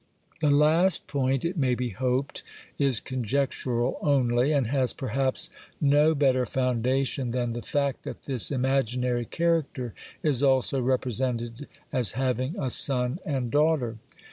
The last point, it may be hoped, is conjectural only, and has perhaps no better foundation than the fact that this imaginary character is also represented as having a son and daughter.